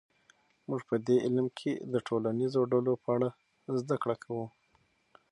موږ په دې علم کې د ټولنیزو ډلو په اړه زده کړه کوو.